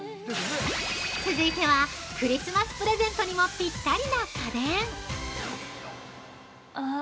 ◆続いては、クリスマスプレゼントにもぴったりな家電！